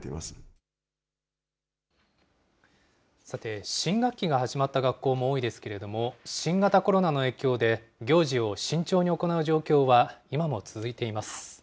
さて、新学期が始まった学校も多いですけれども、新型コロナの影響で行事を慎重に行う状況は、今も続いています。